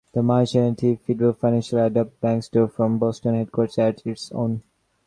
The merged entity, FleetBoston Financial, adopted BankBoston's former Boston headquarters as its own.